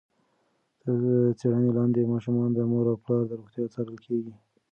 تر څېړنې لاندې ماشومان د مور او پلار د روغتیا څارل کېږي.